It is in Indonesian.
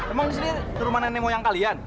emang di sini terutama nenek moyang kalian